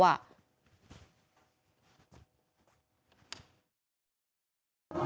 อันยังเป็นที่เราอยากไปดูเพื่อน